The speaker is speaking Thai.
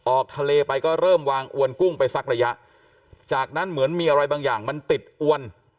ออกทะเลไปก็เริ่มวางอวนกุ้งไปสักระยะจากนั้นเหมือนมีอะไรบางอย่างมันติดอวน